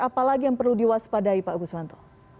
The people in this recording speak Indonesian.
apalagi yang perlu diwaspadai pak guswanto